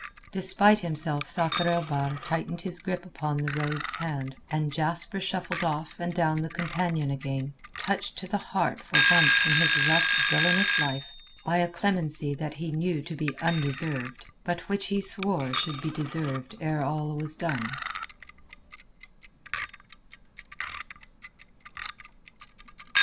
Despite himself Sakr el Bahr tightened his grip upon the rogue's hand, and Jasper shuffled off and down the companion again, touched to the heart for once in his rough villainous life by a clemency that he knew to be undeserved, but which he swore should be deserved ere all was done.